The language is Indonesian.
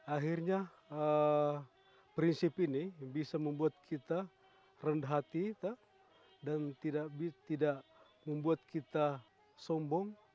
akhirnya prinsip ini bisa membuat kita rendah hati dan tidak membuat kita sombong